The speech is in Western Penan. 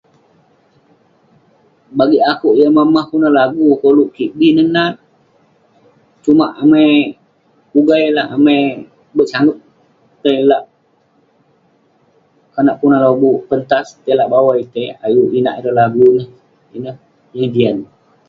Bagik akouk, yah mah mah kelunan lagu koluk kik bi neh nat. Sumak amai ugai lah, amik bet sangep tai lak- konak kunah lobuk, pentas? tai bawai itei, ayuk inak ireh lagu. Ineh yeng jian.